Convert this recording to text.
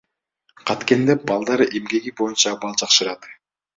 Канткенде балдар эмгеги боюнча абал жакшырат?